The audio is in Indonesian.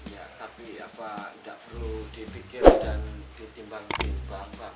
ya tapi apa nggak perlu dipikir dan ditimbangin bang